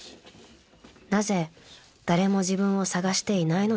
［なぜ誰も自分をさがしていないのだろうか］